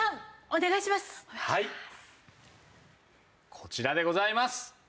こちらでございます！